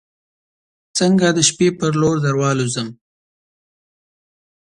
څنګه د شپې پر لور دروالوزم